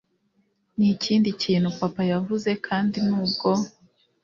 nikindi kintu papa yavuze, kandi nubwo